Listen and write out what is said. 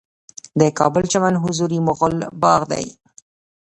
د کابل چمن حضوري مغل باغ دی